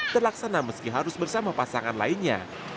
terlaksana meski harus bersama pasangan lainnya